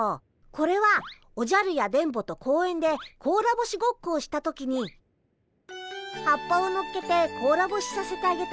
これはおじゃるや電ボと公園でこうらぼしごっこをした時に葉っぱをのっけてこうらぼしさせてあげた小石くんたち。